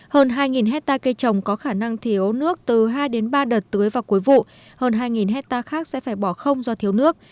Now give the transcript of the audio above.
hơn hai hectare cây trồng có khả năng thiếu nước từ hai đến ba đợt tưới vào cuối vụ hơn hai hectare khác sẽ phải bỏ không do thiếu nước